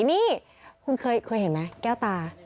นี่คุณเคยเห็นไหมแก้วตา